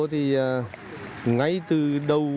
thì ngay từ đầu